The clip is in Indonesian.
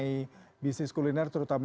itu berkacau banget w